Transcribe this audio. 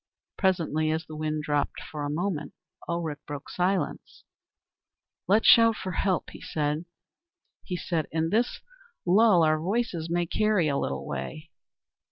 Presently, as the wind dropped for a moment, Ulrich broke silence. "Let's shout for help," he said, "in this lull our voices may carry a little way."